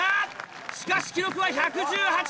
しかし記録は１１８個！